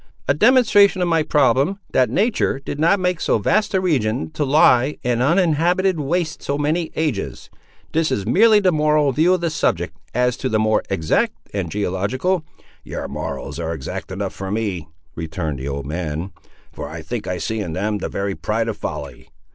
"A demonstration of my problem, that nature did not make so vast a region to lie an uninhabited waste so many ages. This is merely the moral view of the subject; as to the more exact and geological—" "Your morals are exact enough for me," returned the old man, "for I think I see in them the very pride of folly.